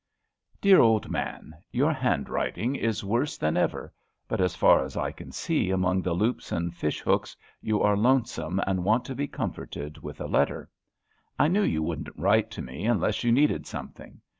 Deab Old Man: Your handwriting is worse than ever, but as far as I can see among the loops and fish hooks, you are lonesome and want to be comforted with a letter. I knew you wouldn't write to me unless you needed something.